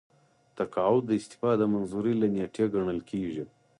تقاعد د استعفا د منظورۍ له نیټې ګڼل کیږي.